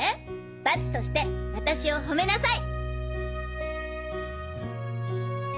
罰として私を褒めなさい‼」。